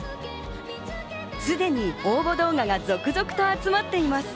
すでに応募動画が続々と集まっています。